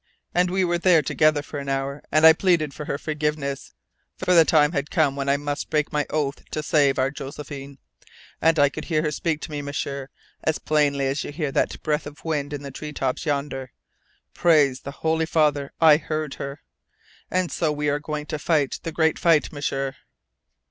And we were there together for an hour, and I pleaded for her forgiveness, for the time had come when I must break my oath to save our Josephine. And I could hear her speak to me, M'sieur, as plainly as you hear that breath of wind in the tree tops yonder. Praise the Holy Father, I heard her! And so we are going to fight the great fight, M'sieur."